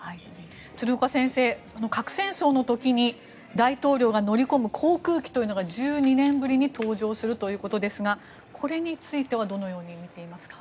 鶴岡先生、核戦争の時に大統領が乗り込む航空機というのが１２年ぶりに登場するということですがこれについてはどのように見ていますか？